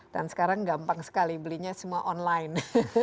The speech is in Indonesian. dan sekarang gampang sekali belinya semua online